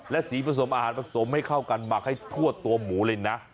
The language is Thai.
และสีผสมอาหารผสมให้เข้ากันหมักให้ทั่วตัวหมูเลยนะ